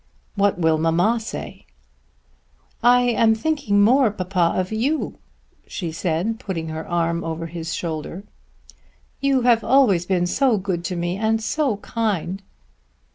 "What will mamma say?" "I am thinking more, papa, of you," she said putting her arm over his shoulder. "You have always been so good to me, and so kind!"